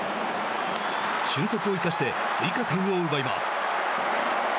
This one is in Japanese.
俊足を生かして追加点を奪います。